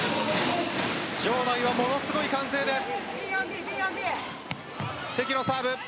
場内はものすごい歓声です。